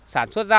sản xuất ra